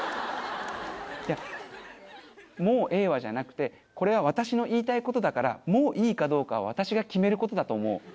いや「もうええわ」じゃなくてこれは私の言いたい事だからもういいかどうかは私が決める事だと思う。